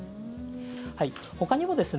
ほかにもですね